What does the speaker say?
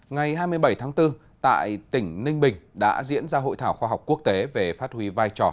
ngày hai mươi bảy tháng bốn tại tỉnh ninh bình đã diễn ra hội thảo khoa học quốc tế về phát huy vai trò